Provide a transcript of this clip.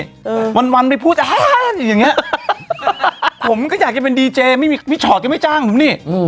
เออวันวันไปพูดอาหารอย่างเงี้ยผมก็อยากจะเป็นดีเจไม่มีพี่ชอตก็ไม่จ้างผมนี่อืม